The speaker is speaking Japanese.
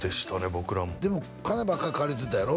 僕らもでも金ばっかり借りてたやろ？